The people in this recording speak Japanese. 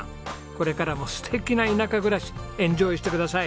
これからも素敵な田舎暮らしエンジョイしてください。